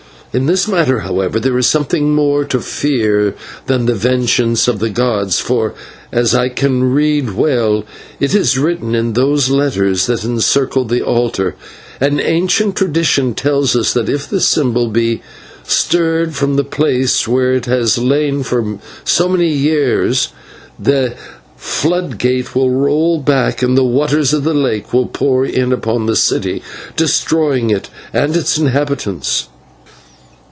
In this matter, however, there is something more to fear than the vengeance of the gods, for, as I can read well it is written in those letters that encircle the altar an ancient tradition tells us that if the symbol be stirred from the place where it has lain for so many ages, the flood gate will roll back and the waters of the lake will pour in upon the city, destroying it and its inhabitants."